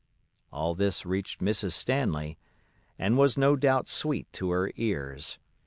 All this reached Mrs. Stanley, and was no doubt sweet to her ears.